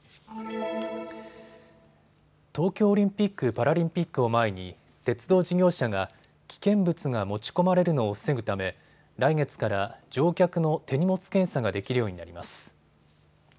東京オリンピック・パラリンピックを前に鉄道事業者が危険物が持ち込まれるのを防ぐため来月から乗客の手荷物検査ができるようになります。